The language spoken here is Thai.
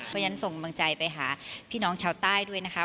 เพราะฉะนั้นส่งกำลังใจไปหาพี่น้องชาวใต้ด้วยนะคะ